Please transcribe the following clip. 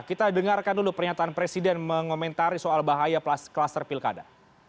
kita dengarkan dulu pernyataan presiden mengomentari soal bahaya kluster pilkada